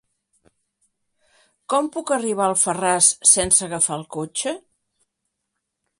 Com puc arribar a Alfarràs sense agafar el cotxe?